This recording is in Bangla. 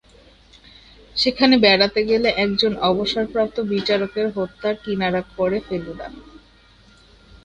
সেখানে বেড়াতে গেলে একজন অবসরপ্রাপ্ত বিচারকের হত্যার কিনারা করে ফেলুদা।